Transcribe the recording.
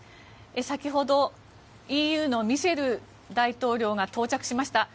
先ほど、ＥＵのミシェル大統領が到着しました。